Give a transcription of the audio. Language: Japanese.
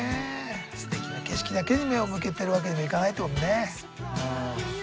すてきな景色だけに目を向けてるわけにもいかないってことだね。